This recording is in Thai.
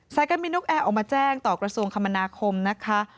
การบินนกแอร์ออกมาแจ้งต่อกระทรวงคมนาคมนะคะ